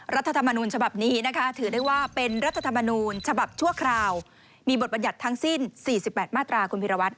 รัฐธรรมนูญฉบับนี้นะคะถือได้ว่าเป็นรัฐธรรมนูญฉบับชั่วคราวมีบทบรรยัติทั้งสิ้น๔๘มาตราคุณพิรวัตร